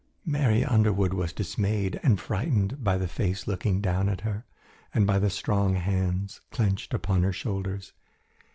Mary Underwood was dismayed and frightened by the face looking down at her, and by the strong hands clenched upon her shoulders.